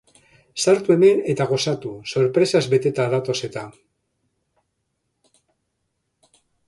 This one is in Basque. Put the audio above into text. Sartu hemen eta gozatu, sorpresaz beteta datoz eta!